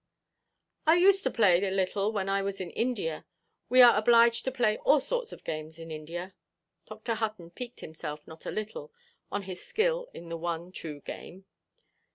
"I used to play a little when I was in India. We are obliged to play all sorts of games in India." Dr. Hutton piqued himself not a little on his skill in the one true game.